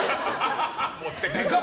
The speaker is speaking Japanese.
でかっ。